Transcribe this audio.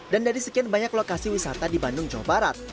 dan dari sekian banyak lokasi wisata di bandung jawa barat